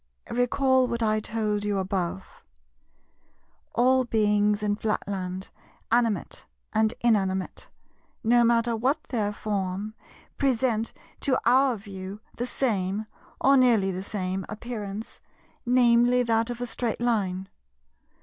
Recall what I told you above. All beings in Flatland, animate and inanimate, no matter what their form, present to our view the same, or nearly the same, appearance, viz. that of a straight Line.